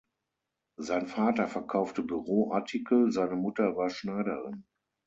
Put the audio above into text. Sein Vater verkaufte Büroartikel, seine Mutter war Schneiderin.